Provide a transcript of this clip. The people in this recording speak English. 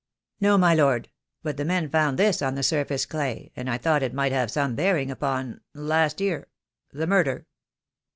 "No, my lord, but the men found this in the surface clay, and I thought it might have some bearing upon — last year — the murder."